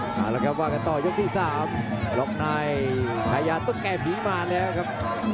แล้วครับว่ากันต่อยกที่๓หลอกนายชายาตุ๊กแก่ผีมาเลยครับ